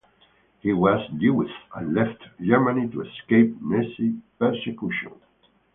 He was Jewish and left Germany to escape Nazi persecution.